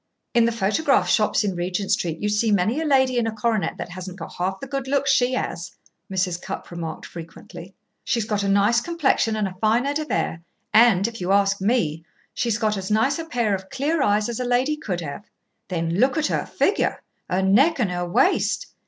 "In the photograph shops in Regent Street you see many a lady in a coronet that hasn't half the good looks she has," Mrs. Cupp remarked frequently. "She's got a nice complexion and a fine head of hair, and if you ask me she's got as nice a pair of clear eyes as a lady could have. Then look at her figure her neck and her waist!